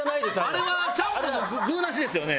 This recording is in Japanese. あれはちゃんぽんの具なしですよね？